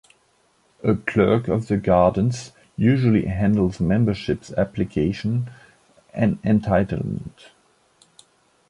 A Clerk of the gardens usually handles membership applications and entitlement.